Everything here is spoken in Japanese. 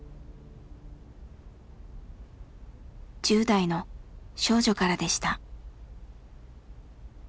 １０代の少女からでした。